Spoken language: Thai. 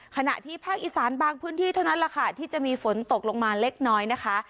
ขณะที่ภาคอีสานบางพื้นที่เท่านั้นแหละค่ะที่จะมีฝนตกลงมาเล็กน้อยนะคะ